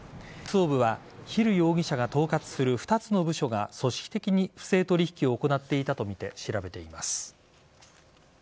特捜部はヒル容疑者が統括する２つの部署が組織的に不正取引を行っていたとみて調べています。